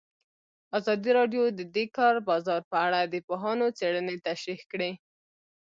ازادي راډیو د د کار بازار په اړه د پوهانو څېړنې تشریح کړې.